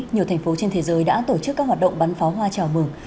nhiều thành phố trên thế giới đã tổ chức các hoạt động bắn phó hoa trò mừng